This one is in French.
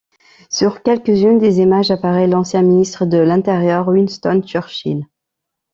Sur quelques-unes des images apparait l'ancien ministre de l'Intérieur, Winston Churchill.